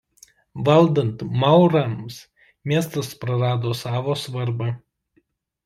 Valdant maurams miestas prarado savo svarbą.